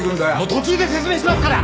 途中で説明しますから！